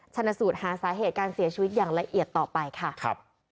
ชนะสูตรหาสาเหตุการเสียชีวิตอย่างละเอียดต่อไปค่ะ